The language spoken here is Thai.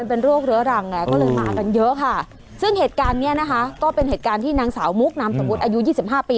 เป็นโรคเรื้อรังไงก็เลยมากันเยอะค่ะซึ่งเหตุการณ์เนี้ยนะคะก็เป็นเหตุการณ์ที่นางสาวมุกนามสมมุติอายุยี่สิบห้าปี